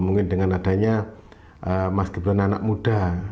mungkin dengan adanya mas gibran anak muda